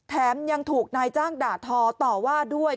แถมยังถูกนายจ้างด่าทอต่อว่าด้วย